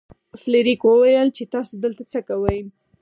فلیریک وویل چې تاسو دلته څه کوئ.